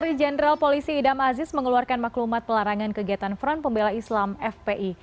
menteri jenderal polisi idam aziz mengeluarkan maklumat pelarangan kegiatan front pembela islam fpi